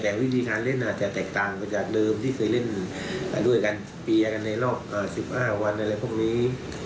แต่วิธีการเล่นอาจจะแตกต่างไปจากเดิมที่เคยเล่นด้วยกันเปียร์กันในรอบ๑๕วันอะไรพวกนี้